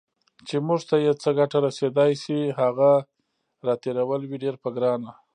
چې موږ ته یې څه ګټه رسېدای شي، هغه راتېرول وي ډیر په ګرانه